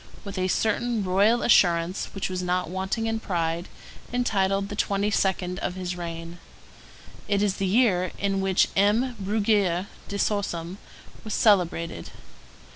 with a certain royal assurance which was not wanting in pride, entitled the twenty second of his reign. It is the year in which M. Bruguière de Sorsum was celebrated.